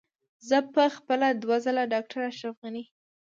زه په خپله دوه ځله ډاکټر اشرف غني.